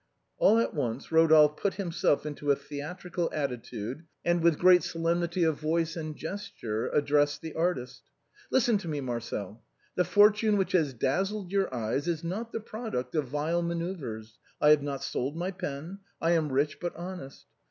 " All at once Eodolphe put himself into a theatrical atti tude, and, with great solemnity of voice and gesture, ad dressed the artist :" Listen to me. Marcel : the fortune which has dazzled your eyes is not the product of vile manœuvres ; I have not sold my pen; I am rich, but honest.